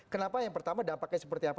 kenapa yang pertama dampaknya seperti apa